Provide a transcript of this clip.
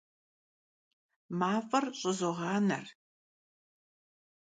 Maf'er ş'ızoğaner.